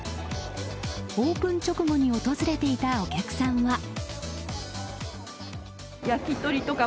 オープン直後に訪れていたお客さんは。